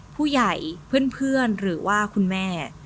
ผู้ใหญ่เพื่อนหรือว่าคุณแม่